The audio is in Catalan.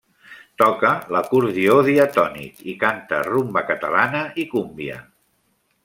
Toca l'acordió diatònic i canta rumba catalana i cúmbia.